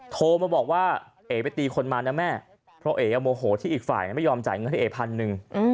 โทรมาบอกว่าเอ๋ไปตีคนมานะแม่เพราะเอ๋โมโหที่อีกฝ่ายไม่ยอมจ่ายเงินให้เอพันหนึ่ง